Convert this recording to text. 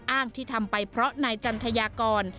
อ้างที่ทำไปเพราะนายจันทยากร